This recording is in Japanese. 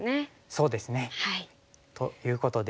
そうですね。ということで。